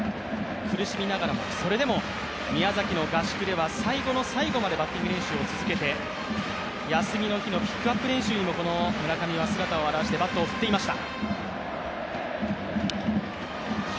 苦しみながらも、それでも宮崎の合宿では最後の最後までバッティング練習を続けて、休みの日のピックアップ練習にもこの村上は姿を現してバットを振っていました。